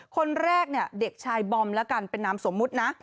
คนแรกเนี่ยเด็กชายบอมแล้วกันเป็นนามสมมุตินะ